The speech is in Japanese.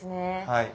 はい。